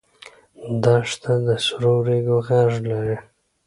دښته د سرو ریګو غږ لري.